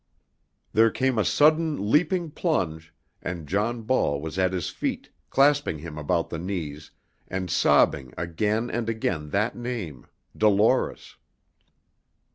There came a sudden leaping plunge, and John Ball was at his feet, clasping him about the knees, and sobbing again and again that name Dolores.